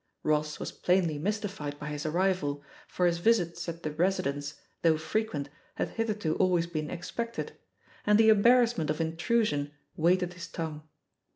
Ross was plainly mystified by his arrival, for his visits at the "residence," though frequent, had hitherto al ways been expected, and the embarrassment of intrusion weighted his tongue.